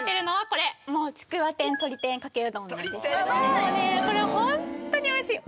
これホントに美味しい！